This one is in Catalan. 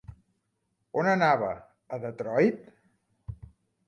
On anava, a Detroit?